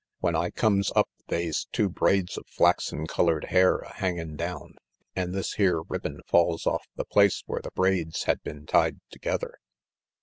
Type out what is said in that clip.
When I comes up they's two braids of flaxen colored hair a hangin' down, an' this here ribbon falls off the place where the braids had been tied together.